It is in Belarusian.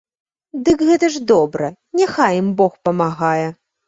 Дык гэта ж добра, няхай ім бог памагае.